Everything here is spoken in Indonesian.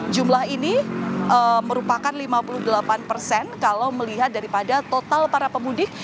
jumlah ini merupakan lima puluh delapan persen kalau melihat daripada total para pemudik